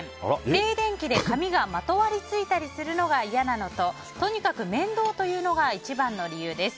静電気で髪がまとわりついたりするのが嫌なのと、とにかく面倒というのが一番の理由です。